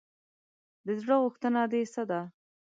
د زړه غوښتنه دې څه ده ؟